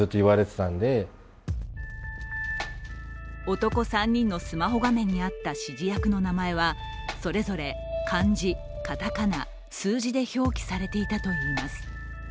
男３人のスマホ画面にあった指示役の名前はそれぞれ漢字、片仮名、数字で表記されていたといいます。